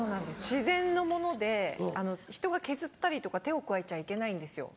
自然のもので人が削ったりとか手を加えちゃいけないんですよ。